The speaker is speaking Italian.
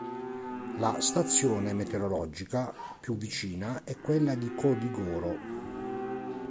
La stazione meteorologica più vicina è quella di Codigoro.